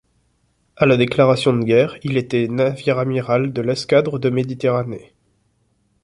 À la déclaration de guerre, il était navire amiral de l'escadre de Méditerranée.